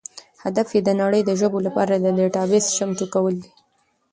هدف یې د نړۍ د ژبو لپاره د ډیټابیس چمتو کول دي.